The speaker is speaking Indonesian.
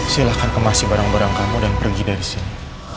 silahkan kemasi barang barang kamu dan pergi dari sini